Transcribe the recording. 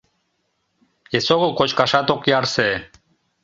Эсогыл кочкашат ок ярсе.